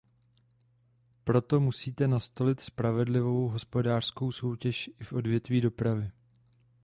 Proto musíte nastolit spravedlivou hospodářskou soutěž i v odvětví dopravy.